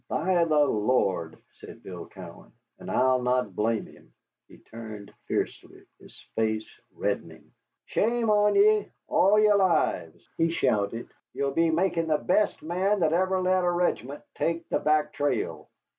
"By the Lord!" said Bill Cowan, "and I'll not blame him." He turned fiercely, his face reddening. "Shame on ye all yere lives," he shouted. "Ye're making the best man that ever led a regiment take the back trail.